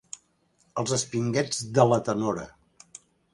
Els espinguets de la tenora.